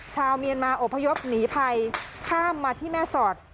ชาวเมียนมาอพยพหนีภัยข้ามมาที่แม่สอด